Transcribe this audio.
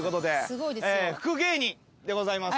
福芸人でございます。